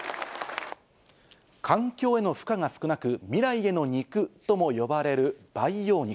環境への負荷が少なく、ミライへの肉とも呼ばれる培養肉。